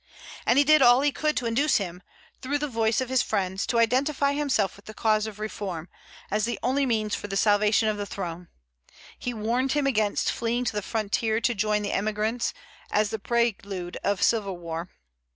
And he did all he could to induce him, through the voice of his friends, to identify himself with the cause of reform, as the only means for the salvation of the throne. He warned him against fleeing to the frontier to join the emigrants, as the prelude of civil war.